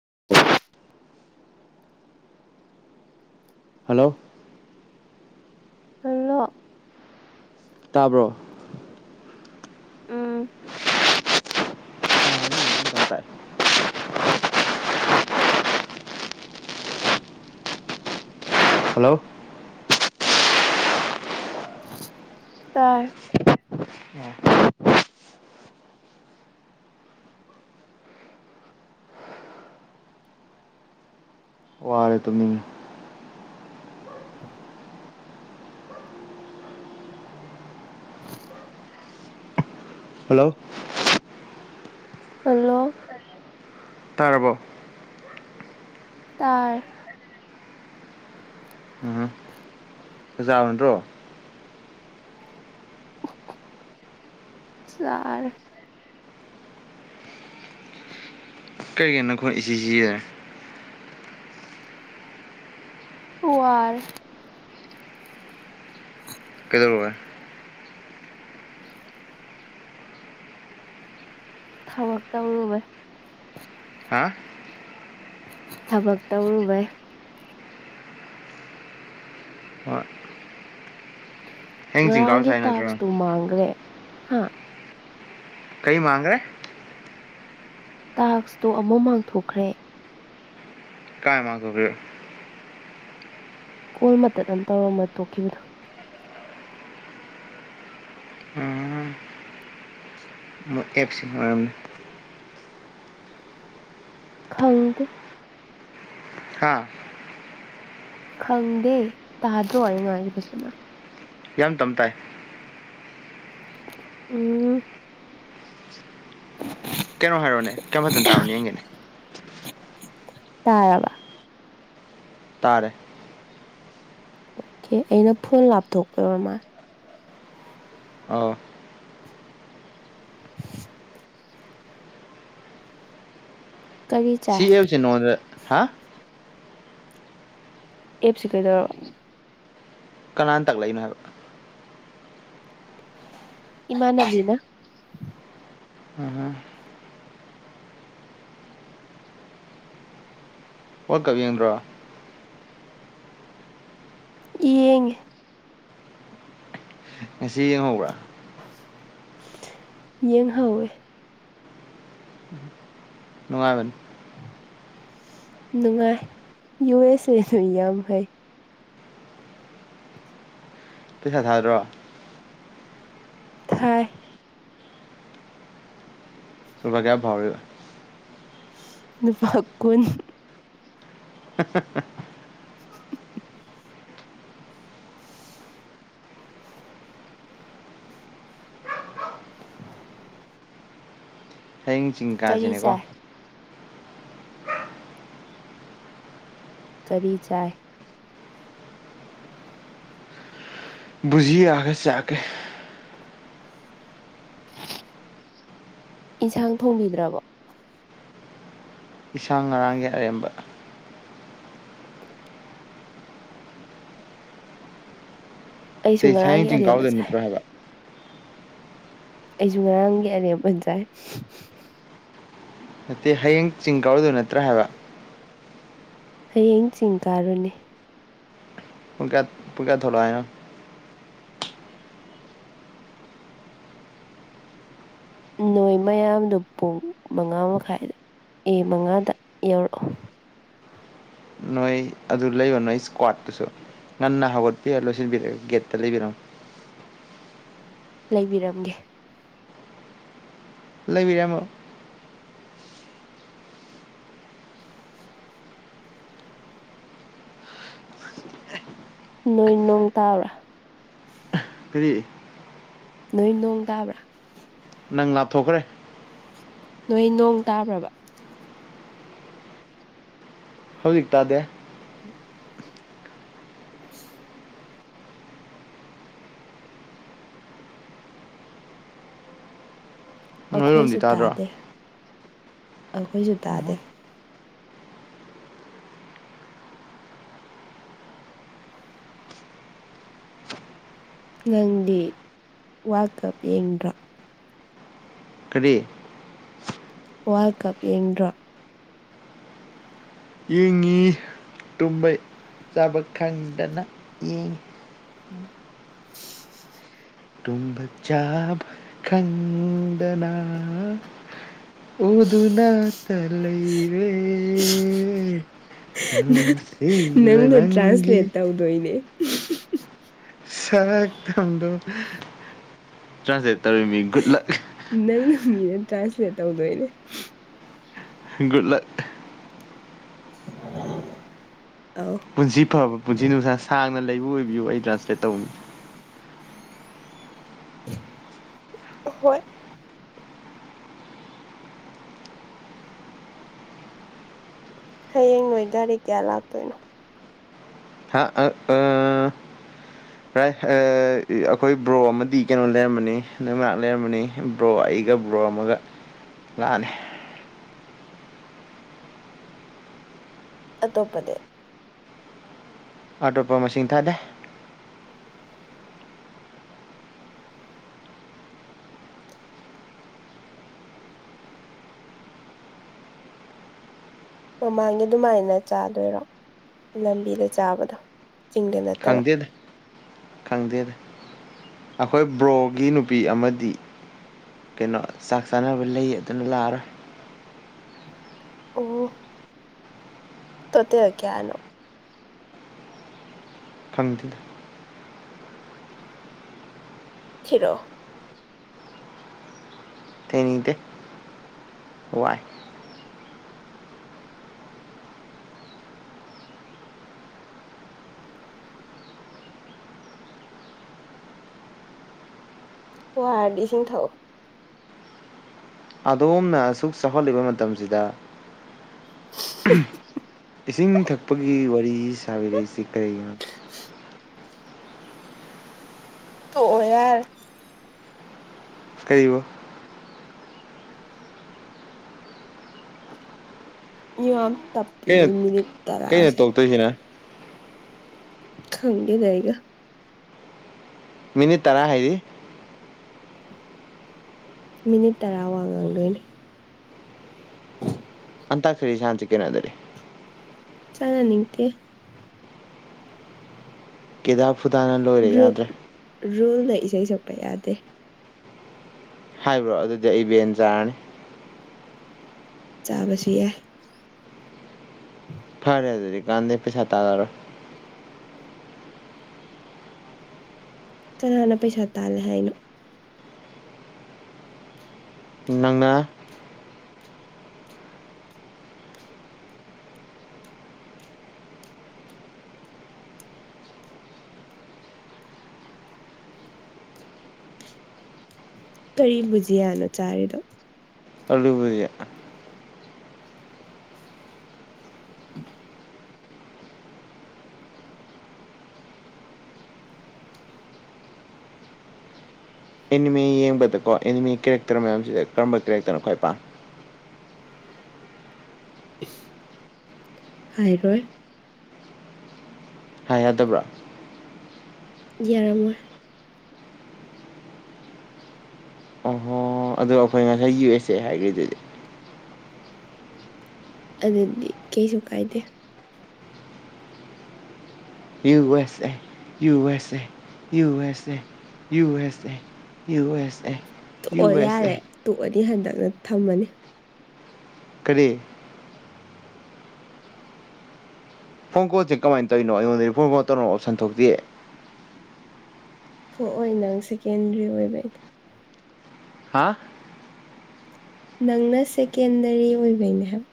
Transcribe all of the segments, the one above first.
[unintelligible] hello ꯈꯂ ꯇꯥꯕ꯭ꯔꯣ ꯎꯝ ꯇꯥꯏ ꯍꯜꯂꯣ ꯇꯔ ꯄꯥꯔꯦ ꯇꯨꯃꯤ ꯍꯜꯂꯣ ꯍꯜꯂꯣ ꯇꯥꯔꯔꯕꯣ ꯇꯔ ꯖꯥꯟ꯭ꯔꯣ ꯁꯥꯔ ꯀꯔꯤꯒꯤꯔꯤ ꯅꯈꯣꯏ ꯏꯆꯁꯤ ꯌꯥꯔꯦ ꯑꯔ ꯇ ꯊꯕꯥꯛ ꯇꯎꯔꯃꯦ ꯍꯥ ꯊꯕꯛ ꯇꯧꯔꯨꯕꯩ ꯍꯣꯏ ꯍꯌꯦꯡ ꯆꯤꯡ ꯀꯥꯕ ꯉꯔꯥꯡꯒꯤ ꯆꯠꯁꯦ ꯅꯠꯇ꯭ꯔꯣ ꯇꯥꯛꯁꯇꯨ ꯃꯥꯡꯈ꯭ꯔꯦ ꯍꯥꯥ ꯀꯩ ꯃꯥꯥꯡꯒ꯭ꯔꯦ ꯇꯥꯛꯁꯇꯣ ꯑꯃꯨꯛ ꯃꯥꯡꯊꯣꯛꯈ꯭ꯔꯦ ꯏ ꯀꯥꯏꯃꯒꯒ꯭ꯔꯦ ꯀꯣꯜ ꯃꯇꯠ ꯑꯃ ꯇꯧꯔꯝꯃ ꯇꯣꯛꯈꯤꯕꯗꯨꯣ ꯎꯝ ꯣꯏ ꯑꯦꯞꯁꯤ ꯃꯔꯝꯅꯤ ꯈꯪꯗ ꯍꯥꯥ ꯈꯪꯗꯦ ꯇꯥꯗ꯭ꯔꯣ ꯍꯥꯏꯉꯥꯏ ꯐꯖꯅ ꯌꯥꯝ ꯇ ꯇꯥꯏ ꯎꯝ ꯀꯩꯅꯣ ꯍꯥꯏꯔꯛꯅꯦ ꯀꯩꯅꯝ ꯐꯇꯟ ꯇꯥꯕꯅꯤ ꯌꯦꯡꯒꯦꯅꯦ ꯇꯥꯕ ꯇꯔ ꯑꯣꯀꯦ ꯑꯩꯅ ꯐꯣꯟ ꯂꯥꯞꯊꯣꯛꯄꯕꯃꯥ ꯑ ꯀꯔꯤ ꯁꯤ ꯆꯥꯏ ꯑꯦꯁꯤ ꯅꯣꯗ ꯍꯥ ꯑꯦꯞꯁꯤ ꯀꯩꯗꯧꯔꯛꯑꯣ ꯀꯅꯥꯅ ꯇꯥꯛꯂꯛꯏꯅꯣ ꯍꯥꯏꯕ ꯏꯃꯥꯕꯤꯅ ꯎꯝ ꯍ ꯀꯕꯤ ꯌꯦꯡꯕ꯭ꯔꯣ ꯏꯡ ꯉꯁꯤ ꯌꯦꯡꯍꯧꯕ꯭ꯔꯥ ꯌꯦꯡꯍꯧꯋꯦ ꯅꯨꯡꯉꯒ ꯅꯨꯡꯉꯥꯏ ꯌꯨ ꯑꯦꯁ ꯑꯦꯅ ꯌꯥꯝ ꯍꯩ ꯄꯩꯁꯥ ꯊꯥꯗ꯭ꯔꯣ ꯊꯥꯏ ꯁꯕꯒꯌꯥꯚꯥꯎꯔ ꯅꯨꯨꯄꯥ ꯀꯨꯟ [unintelligible] [inaudible] [unintelligible] [unintelligible] [inaudible] ꯍꯌꯦꯡ ꯆꯤꯡ ꯀꯔꯤ ꯀꯥꯁꯤꯅꯦꯀꯣ ꯆꯥꯏ ꯀꯔꯤ ꯆꯥꯏ ꯕꯨꯖꯤꯤ ꯑꯒꯦ ꯆꯀꯦ ꯏꯟꯁꯥꯡ ꯊꯣꯡꯕꯤꯗ꯭ꯔꯕꯣ ꯏꯁꯥꯡ ꯉꯔꯥꯡꯒꯤ ꯑꯔꯦꯝꯕ ꯑꯩꯁꯨ ꯇ ꯁ ꯉꯔꯥꯡꯒꯤ ꯑꯔꯦꯝꯕ ꯆꯥꯏ ꯆꯤꯡꯀꯎꯗꯅꯇ꯭ꯔ ꯍꯥꯏꯒ ꯑꯩꯁꯨ ꯉꯔꯥꯡꯒꯤ ꯑꯔꯦꯝ ꯑꯣꯟꯖꯥꯏ ꯅꯠꯇꯦ ꯍꯌꯦꯡ ꯆꯤꯡ ꯀꯥꯎꯔꯗꯣꯏ ꯅꯠꯇ꯭ꯔꯥ ꯍꯥꯏꯕ ꯍꯌꯦꯡ ꯆꯤꯡ ꯀꯥꯔꯨꯅꯦ ꯄꯨ ꯀꯌꯥ ꯄꯨꯡ ꯀꯌꯥ ꯊꯧꯂꯥ ꯅꯣꯏ ꯃꯌꯥꯝꯗꯨ ꯄꯨꯡ ꯃꯉꯥ ꯃꯈꯥꯏꯗ ꯑꯦ ꯃꯉꯥꯗ ꯌꯧꯔꯛꯑꯣ ꯅꯣꯏ ꯑꯗꯨ ꯂꯩꯕ ꯅꯣ ꯑꯩ ꯏꯁꯀ꯭ꯋꯥꯗꯠꯇꯨꯁꯨ ꯅꯥꯟ ꯍꯥꯒꯠꯄꯤ ꯂꯣꯏꯁꯤꯕꯤꯔꯒꯦꯠ ꯇ ꯂꯩꯦ ꯄꯔꯝ ꯂꯩꯕꯤꯔꯝꯒꯦ ꯂꯩꯕꯤꯔꯝꯃꯣ ꯅꯣꯏ ꯅꯣꯡ ꯇꯥꯎꯔꯥ ꯐꯔꯤ ꯅꯣꯏ ꯅꯣꯡ ꯇꯥꯕ꯭ꯔꯥ ꯅꯪ ꯂꯥꯞꯊꯣꯛꯈ꯭ꯔꯦ ꯅꯣꯏ ꯅꯣꯡ ꯇꯥꯕ꯭ꯔꯕ ꯍꯧꯖꯤꯛ ꯇꯥꯗꯦ ꯅꯣꯏꯔꯣꯝꯗꯤ ꯑꯩꯈꯣꯏꯁꯨ ꯇꯥꯗ꯭ꯔꯣ ꯇꯥꯗꯦ ꯑꯩꯈꯣꯏꯁꯨ ꯇꯥꯗꯦ ꯅꯪꯗꯤ ꯋꯥꯀꯞ ꯌꯦꯡꯗ꯭ꯔꯥ ꯀꯔꯤ ꯋꯥꯔꯜ ꯀꯞ ꯌꯦꯡꯗ꯭ꯔꯣ ꯌꯦꯡꯉꯤ ꯇꯨꯝꯕꯩ ꯆꯥꯕ ꯈꯪꯗꯅꯉ ꯇꯨꯕ ꯆꯥꯕ ꯈꯗꯅ ꯑꯣꯗꯨꯅꯠꯇ ꯂꯩꯔꯦ ꯅꯨꯡ ꯁꯤꯕ ꯅꯪꯅ ꯅꯪꯤ ꯇ꯭ꯔꯥꯟꯁꯂꯦꯠ ꯇꯧꯗꯣꯏꯅꯦ ꯁ ꯊꯟꯗ ꯆꯁꯤꯠ ꯇꯧꯔꯃꯤ ꯒꯨꯗ ꯂꯛ ꯅꯪꯅ ꯃꯤꯅ ꯇ꯭ꯔꯥꯟꯁꯂꯦꯇꯧꯗꯣꯏꯅꯦ ꯨꯜꯂ [inaudible] ꯄꯨꯟꯁꯤ ꯐꯕ ꯄꯨꯟꯁꯤ ꯅꯨꯡꯁꯥ ꯁꯥꯡꯅ ꯂꯩꯕꯨ ꯑꯣꯏꯕꯤꯌꯨ ꯑꯩ ꯇ꯭ꯔꯥꯟꯁꯂꯦꯠ ꯇꯧꯅꯤ ꯍꯣꯏ ꯍꯌꯦꯡ ꯅꯣꯏ ꯒꯥꯔꯤ ꯀꯌꯥ ꯂꯥꯛꯇꯣꯏꯅꯣ ꯍꯥ ꯑ ꯑ ꯥꯏ ꯑꯩꯈꯣꯏ ꯕ꯭ꯔꯣ ꯑꯃꯗꯤ ꯀꯩꯅꯣ ꯂꯩꯔꯝꯕꯅꯤ ꯅꯣꯏ ꯉꯥꯏꯍ ꯂꯩꯔꯃꯅꯤ ꯕ꯭ꯔꯣ ꯑꯩꯒ ꯕ꯭ꯔꯣ ꯑꯃꯒ ꯂꯥꯛꯑꯅꯤ ꯑ ꯇꯣꯞꯄꯗꯦ ꯑꯇꯣꯞꯄ ꯃꯁꯤꯡ ꯊꯥꯗꯦ ꯃꯃꯥꯡꯒꯤ ꯑꯗꯨꯃꯥꯏꯅ ꯆꯥꯗꯣꯏꯔꯣ ꯂꯝꯕꯤꯗ ꯆꯥꯕꯗꯣ ꯆꯤꯡꯗ ꯅꯠꯇꯕ ꯈꯪꯗꯦꯗ ꯈꯪꯗꯦꯗ ꯑꯩꯈꯣꯏ ꯕ꯭ꯔꯣꯒꯤ ꯅꯨꯄꯤ ꯑꯃꯗꯤ ꯀꯩꯅꯣ ꯆꯥꯛ ꯆꯥꯅꯕ ꯂꯩ ꯑꯗꯨꯅ ꯂꯥꯛꯑꯔꯣꯏ ꯑꯣ ꯇꯣ ꯇ ꯀꯅꯣ ꯀꯇꯗ ꯊꯤꯔꯣ ꯊꯅꯤꯗꯦ ꯋꯥꯏ ꯋꯥꯔꯗꯤ ꯏꯁꯤꯡ ꯊꯥꯎꯑꯣ ꯑꯗꯣꯝꯅ ꯑꯁꯨꯛ ꯆꯥꯎꯍꯜꯂꯤꯕ ꯃꯇꯝꯁꯤꯗ ꯏꯁꯤꯡ ꯊꯛꯄꯒꯤ ꯋꯥꯔꯤ ꯁꯥꯕꯤꯔꯛꯏꯁꯤ ꯀꯔꯤꯒꯤꯅꯣ ꯇ ꯑꯣꯏꯔꯔ ꯀꯔꯤꯕ ꯌ ꯀꯩꯅꯣ ꯇꯞꯄꯤꯕꯣꯏ ꯃꯤꯅꯤꯠ ꯀꯩꯅꯣ ꯇꯔꯥꯥꯁꯦ ꯇꯧꯔꯛꯇꯣꯏꯁꯤꯅ ꯈꯪꯗꯦꯗ ꯑꯩꯒ ꯃꯤꯅꯤꯠ ꯇꯔꯥ ꯍꯥꯏꯗꯤ ꯃꯤꯅꯤꯠ ꯇꯔꯥ ꯋꯥ ꯉꯥꯡꯗꯣꯏꯅꯦ ꯑꯟꯇꯥꯛꯁꯔꯤ ꯁꯥꯟꯁꯤ ꯀꯩꯅꫭ ꯑꯗꯨꯗꯤ ꯆꯅꯥ ꯅꯤꯡꯇꯦ ꯀꯦꯗꯥ ꯐꯨꯗꯥꯅ ꯂꯣꯏꯔꯦ ꯔꯨ ꯌꯥꯗ꯭ꯔꯦ ꯔꯨꯜ ꯂ ꯏꯁꯩ ꯁꯛꯄ ꯌꯥꯗꯦ ꯍꯥꯏꯕ꯭ꯔꯣ ꯑꯗꯨꯗꯤ ꯑꯩ ꯕꯦꯟ ꯆꯥꯔꯅꯤ ꯆꯥꯕꯁꯨ ꯌꯥꯏ ꯐꯔꯦ ꯑꯗꯨꯗꯤ ꯀꯥꯟꯗꯦ ꯄꯁꯥ ꯇꯥꯜꯂꯔꯣꯏ ꯀꯅꯥꯅ ꯄꯩꯁꯥ ꯇꯥꯜꯂꯦ ꯍꯥꯏꯅꯣ ꯅꯪꯅ ꯀꯔꯤ ꯕꯨꯖꯤꯌꯥꯅꯣ ꯆꯥꯔꯤꯗꯣ ꯑꯂꯨꯕꯨꯖꯤꯌꯥ ꯑꯦꯅꯤꯃ‌ꯦ ꯌꯦꯡꯕꯗꯀꯣ ꯑꯦꯅꯤꯃꯦ ꯀꯦꯔꯦꯛꯇꯔ ꯃꯌꯥꯝꯁꯤꯗ ꯀꯔꯝꯕ ꯀꯦꯔꯦꯛꯇꯔꯅꯣ ꯈ꯭ꯋꯥꯏ ꯄꯥꯝ ꯍꯥꯏꯔꯣꯏ ꯍꯥꯏ ꯌꯥꯗꯕ꯭ꯔꯥ ꯌꯥꯔꯝꯃꫭꯏ ꯑꯣꯍꯣ ꯑꯗꯣ ꯑꯩꯈꯣꯏ ꯉꯁꯥꯏ ꯌꯨ ꯑꯦꯁ ꯑꯦ ꯍꯥꯏꯈ꯭ꯔꯤꯗꯨꯗꯤ ꯑꯗꯨꯗꯤ ꯀꯩꯁꯨ ꯀꯥꯏꯗꯦ U S A U S A U S A U S A U S A ꯇꫭꯛꯑꫭ ꯌꯥꯔꯦ ꯇꫭꯛ ꯑꯩ ꯍꯟꯗꯛꯅ ꯊꯝꯃꯅꯤ ꯀꯔꯤ ꯐꯣꯟ ꯀꯣꯜꯁꯦ ꯀꯃꯥꯏꯅ ꯇꯧꯔꯤꯅꯣ ꯑꯩꯉꯣꯟꯗꯗꯤ ꯐꯣꯟ ꯐꫭꯔꯋꯥꯔꯗ ꯇꯧꯅꯕ ꯑꯣꯞꯁꯟ ꯊꯣꯛꯇꯤꯌꯦ ꯊꯣꯛꯑꯣꯏ ꯅꯪ ꯁꯦꯀꯦꯟꯗ꯭ꯔꯤ ꯑꯣꯏꯕꯩꯅꯦ ꯍꯥ ꯅꯪꯅ ꯁꯦꯀꯦꯟꯗꯔꯤ ꯑꯣꯏꯕꯩꯅꯦ ꯍꯥꯏꯕ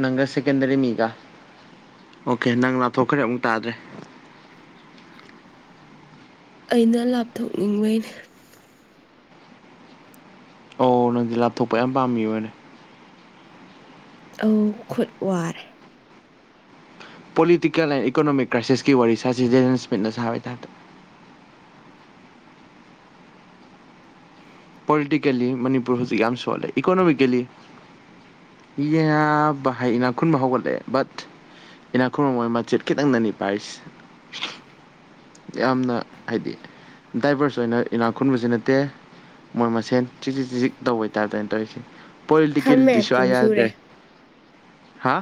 ꯅꯪꯒ ꯁꯦꯀꯦꯟꯗꯔꯤ ꯃꯤꯒ ꯑꯣꯀꯦ ꯅꯪ ꯂꯥꯞꯊꯣꯛꯈ꯭ꯔꯦ ꯑꯃꯨꯛ ꯇꯥꯗ꯭ꯔꯦ ꯑꯩꯅ ꯂꯥꯞꯊꯣꯛꯅꯤꯡꯕꯩꯅꯤ ꯑꯣ ꯅꯪꯗꯤ ꯂꯥꯞꯊꯣꯛꯄ ꯌꯥꯝ ꯄꯥꯝ ꯃꯤꯑꫭꯏꯔꯦ ꯑꯧ ꯈꯨꯠ ꯋꯥꯔꯦ ꯄꯣꯂꯤꯇꯤꯀꯦꯜ ꯑꯦꯟ ꯏꯀꯣꯅꯣꯃꯤꯛ ꯀ꯭ꯔꯥꯏꯁꯤꯁꯀꯤ ꯋꯥꯔꯤ ꯁꯥꯁꯤ ꯖꯦꯟ ꯁꯃꯤꯠꯅ ꯁꯥꯕꯩ ꯇꯥꯏꯞꯇ ꯄꯣꯂꯤꯇꯤꯀꯦꯜꯂꯤ ꯃꯅꯤꯄꯨꯔ ꯍꯧꯖꯤꯛ ꯌꯥꯝ ꯁꯣꯜꯂꯦ ꯏꯀꯣꯅꯣꯃꯤꯀꯦꯜꯂꯤꯕ ꯌꯥ ꯕ ꯍꯥꯏ ꯏꯅꯥꯛ ꯈꯨꯟꯕ ꯍꯧꯒꯠꯂꯛꯑꯦ ꯕꯠ ꯏꯅꯥꯛ ꯈꯨꯨꯟꯕ ꯃꫭꯏ ꯃꯆꯦꯠ ꯈꯤꯇꯪ ꯗꯅꯤ ꯄꯥꯏꯁꯦ ꯌꯥꯝꯅ ꯍꯥꯏꯗꯤ ꯗꯥꯏꯚꯔꯁ ꯑꯣꯏꯅ ꯏꯅꯥꯛ ꯈꯨꯟꯕꯁꯤ ꯅꯠꯇꯦ ꯃꯣꯏ ꯃꯁꯦꯟ ꯆꯤꯖꯤꯛ ꯆꯤꯖꯤꯛ ꯇꯧꯕꯩ ꯍꯥꯏꯞ ꯇꯅꯤ ꯇꯧꯔꯤꯁꯤ ꯊꯝꯃꯦ ꯄꯣꯂꯤꯇꯤꯀꯦꯜꯗꯤ ꯁꯨꯨ ꯌꯥ ꯄꯨꯡ ꯁꯨꯔꯦ ꯌꯥꯗ꯭ꯔꯦ ꯍꯥ